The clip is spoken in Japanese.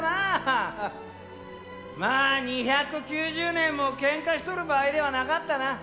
まあ２９０年も喧嘩しとる場合ではなかったなぁ。